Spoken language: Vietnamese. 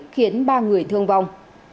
khiến ba người thương vong